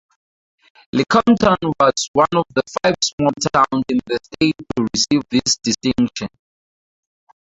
Lecompton was one of five small towns in the state to receive this distinction.